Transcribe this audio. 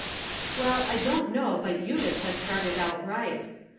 Well , I don't know but Eunice has started out right.